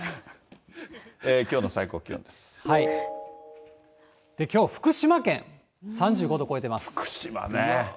きょうの最高気きょう、福島県３５度超えて福島ね。